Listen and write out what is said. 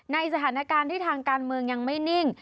ในสถานการณ์ที่ทางการเมืองยังไม่นิ่ง